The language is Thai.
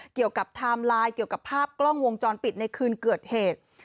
ไทม์ไลน์เกี่ยวกับภาพกล้องวงจรปิดในคืนเกิดเหตุ